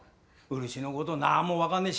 漆のこと何も分からねえ